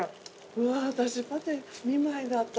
うわ私パテ２枚だった。